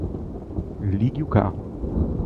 Ligue o carro